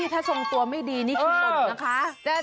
ถ้าทรงตัวไม่ดีนี่คือฝนนะคะ